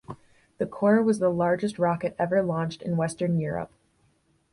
The Cora was the largest rocket ever launched in Western Europe.